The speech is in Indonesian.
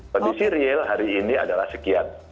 kondisi real hari ini adalah sekian